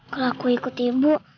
kalau aku ikut ibu